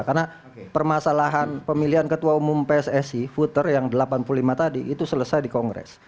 karena permasalahan pemilihan ketua umum pssi futer yang delapan puluh lima tadi itu selesai di kongres